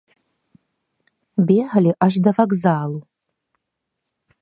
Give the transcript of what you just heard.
Беглі аж да вакзалу.